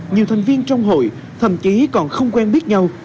nhiều thành viên trong hội thậm chí còn không quen biết nhau